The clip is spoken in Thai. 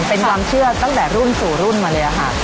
เป็นความเชื่อตั้งแต่รุ่นสู่รุ่นมาเลยค่ะ